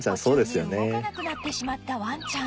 散歩中に動かなくなってしまったワンちゃん